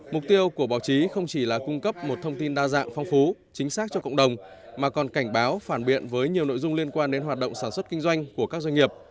mục tiêu của báo chí không chỉ là cung cấp một thông tin đa dạng phong phú chính xác cho cộng đồng mà còn cảnh báo phản biện với nhiều nội dung liên quan đến hoạt động sản xuất kinh doanh của các doanh nghiệp